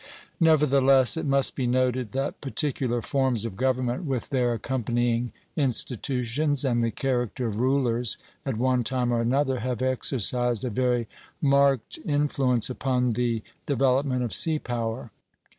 Nevertheless, it must be noted that particular forms of government with their accompanying institutions, and the character of rulers at one time or another, have exercised a very marked influence upon the development of sea power.